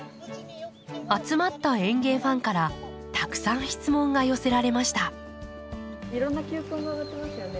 集まった園芸ファンからたくさん質問が寄せられました。